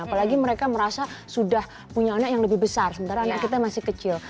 apalagi mereka merasa sudah punya anak yang lebih besar sementara anak kita masih kecil